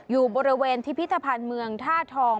อยู่บริเวณพิพิธภัณฑ์เมืองท่าทอง